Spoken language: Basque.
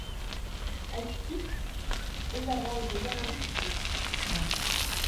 Aitzitk, ez da gol gehiagorik izan.